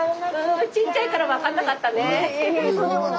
ちっちゃいから分かんなかったね。